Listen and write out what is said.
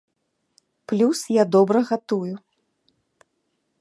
Плюс я добра гатую.